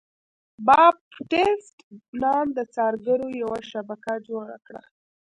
باپټیست نان د څارګرو یوه شبکه جوړه کړه.